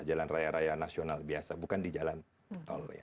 jalan raya raya nasional biasa bukan di jalan tol